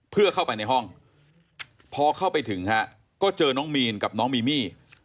เพื่อเข้าไปในห้องพอเข้าไปถึงฮะก็เจอน้องมีนกับน้องมีมี่